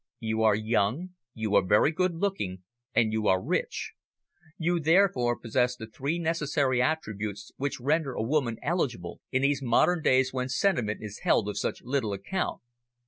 "You are young, you are very good looking, and you are rich; you therefore possess the three necessary attributes which render a woman eligible in these modern days when sentiment is held of such little account.